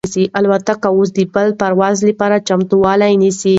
الوتکه اوس د بل پرواز لپاره چمتووالی نیسي.